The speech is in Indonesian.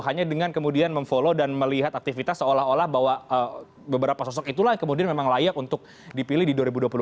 hanya dengan kemudian memfollow dan melihat aktivitas seolah olah bahwa beberapa sosok itulah yang kemudian memang layak untuk dipilih di dua ribu dua puluh empat